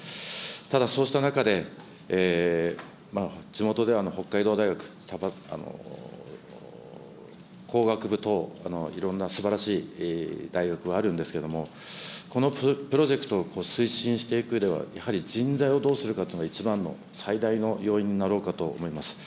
ただそうした中で、地元では北海道大学工学部等、いろんなすばらしい大学はあるんですけれども、このプロジェクトを推進していくうえではやはり人材をどうするかというのが、一番の最大の要因になろうかと思います。